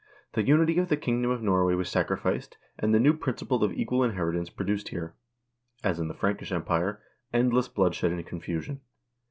The unity of the kingdom of Norway was sacrificed, and the new principle of equal inheritance produced here, as in the Frankish empire, endless bloodshed and confusion.